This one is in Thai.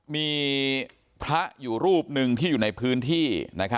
มีพระอยู่รูปหนึ่งที่อยู่ในพื้นที่